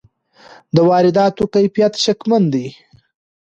د وارداتو کیفیت شکمن دی.